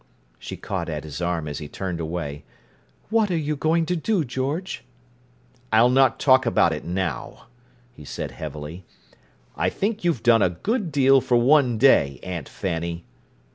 She caught at his arm as he turned away. "What are you going to do, George?" "I'll not talk about it, now," he said heavily. "I think you've done a good deal for one day, Aunt Fanny!"